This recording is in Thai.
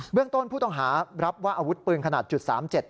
เบื้องต้นผู้ต้องหารับว่าอาวุธปืนขนาดจุด๓๗